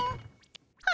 は